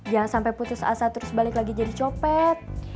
jangan sampai putus asa terus balik lagi jadi copet